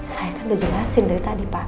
saya kan udah jelasin dari tadi pak